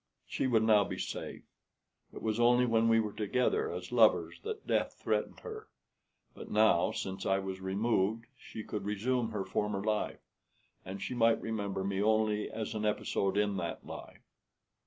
She would now be safe. It was only when we were together as lovers that death threatened her; but now since I was removed she could resume her former life, and she might remember me only as an episode in that life.